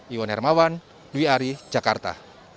iwan hermawan dwi ari jakarta